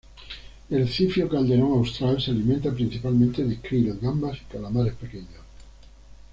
El zifio calderón austral se alimenta principalmente de krill, gambas y calamares pequeños.